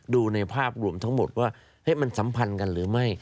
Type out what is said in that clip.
ดูในภาพรวมทั้งหมดว่ามันสัมพันธ์กันหรือไม่